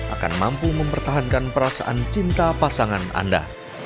akan mampu mempertahankan perasaan cinta pasangan anda